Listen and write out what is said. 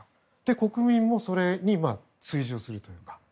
国民もそれに追従するというか。